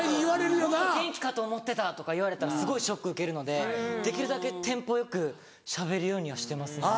「もっと元気かと思ってた」とか言われたらすごいショック受けるのでできるだけテンポよくしゃべるようにはしてますね。